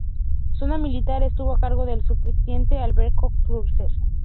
Zona Militar, estuvo a cargo del Subteniente Alberto Purcell.